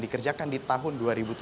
dikerjakan di tahun dua ribu tujuh belas